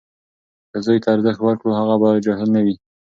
که زوی ته ارزښت ورکړو، هغه به جاهل نه وي.